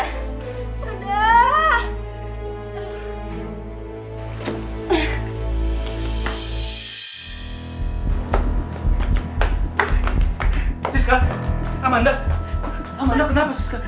siska amanda kenapa